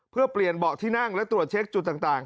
เพื่อเปลี่ยนเบาะที่นั่งและตรวจเช็คจุดต่าง